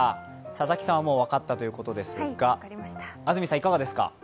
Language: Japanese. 佐々木さんはもう分かったということですが、安住さんいかがですか？